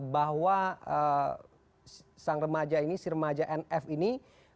bahwa sang remaja ini si remaja nf ini